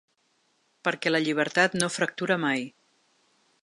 Perquè la llibertat no fractura mai.